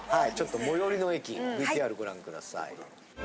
ちょっと最寄りの駅ＶＴＲご覧ください。